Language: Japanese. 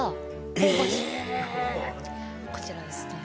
こちらですね